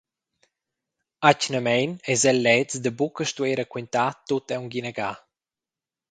Atgnamein eis el leds da buca stuer raquintar tut aunc inagada.